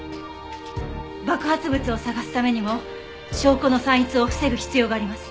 爆発物を捜すためにも証拠の散逸を防ぐ必要があります。